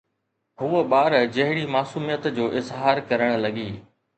هوءَ ٻار جهڙي معصوميت جو اظهار ڪرڻ لڳي